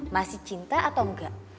masih cinta atau engga